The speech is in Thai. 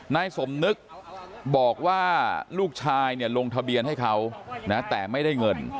นายสมนึกบอกว่าลูกชายเนี่ยลงทะเบียนให้เขานะแต่ไม่ได้เงิน